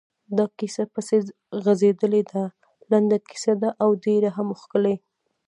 دا کیسه پسې غځېدلې ده، لنډه کیسه ده او ډېره هم ښکلې…